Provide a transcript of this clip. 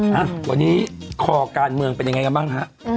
อ่ะวันนี้คอการเมืองเป็นยังไงกันบ้างฮะ